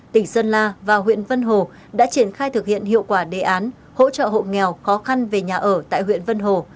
tỉnh sơn la và huyện vân hồ đã triển khai thực hiện hiệu quả đề án hỗ trợ hộ nghèo khó khăn về nhà ở tại huyện vân hồ